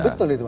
betul itu pak